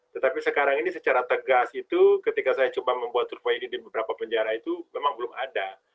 tetapi sekarang ini secara tegas itu ketika saya coba membuat survei ini di beberapa penjara itu memang belum ada